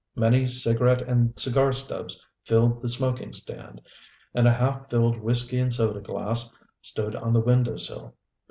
Many cigarette and cigar stubs filled the smoking stand, and a half filled whiskey and soda glass stood on the window sill.